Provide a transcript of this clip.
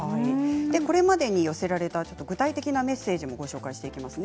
これまでに寄せられた具体的なメッセージをご紹介します。